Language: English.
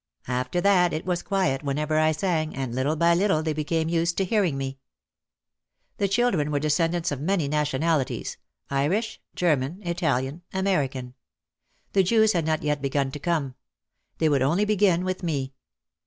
After that it was quiet whenever I sang and little by little they became used to hearing me. The children were descendants of many nationalities, Irish, German, Italian, American. The Jews had not yet begun to come. They would only begin with me.